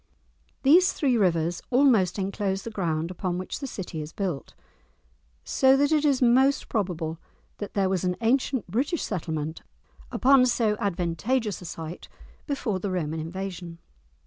These three rivers almost enclose the ground upon which the city is built, so that it is most probable that there was an ancient British settlement upon so advantageous a site, before the Roman invasion.